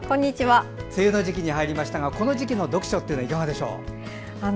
梅雨の時期に入りましたがこの時期の読書ってどうでしょう。